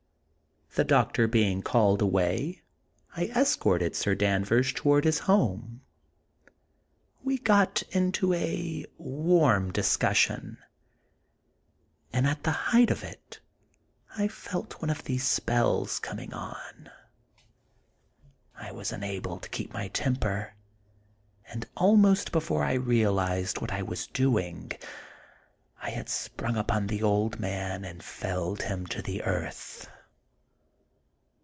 The doctor being called away, I escorted Sir Danvers toward his home. We got into a warm discussion, and at the height of it I felt one of these spells com ing on ; I was unable to keep my temper, and almost before I realized what I was doing, I had sprung upon the old man and felled him to the earth.